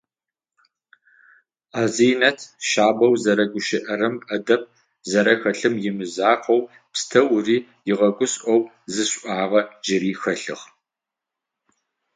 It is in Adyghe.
Азинэт шъабэу зэрэгущыӏэрэм, ӏэдэб зэрэхэлъым имызакъоу, пстэури ыгъэгушӏоу зы шӏуагъэ джыри хэлъыгъ.